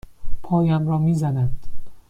پایم را می زند.